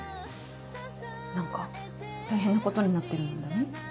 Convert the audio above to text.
何か大変なことになってるんだね。